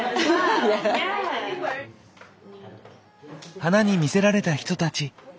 花に魅せられた人たち。